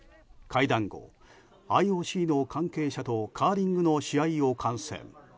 会談後、ＩＯＣの関係者とカーリングの試合を観戦。